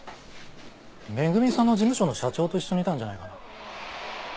恵さんの事務所の社長と一緒にいたんじゃないかな。